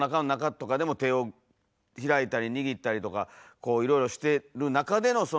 手を開いたり握ったりとかこういろいろしてる中での。えっ。